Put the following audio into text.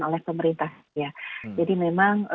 oleh pemerintah jadi memang